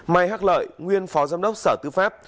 mai hắc lợi nguyên phó giám đốc sở tư pháp